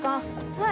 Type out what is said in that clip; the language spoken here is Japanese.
はい。